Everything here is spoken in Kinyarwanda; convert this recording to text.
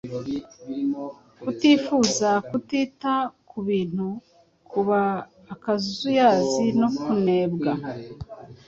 kutifuza, kutita ku bintu, kuba akazuyazi no kunebwa.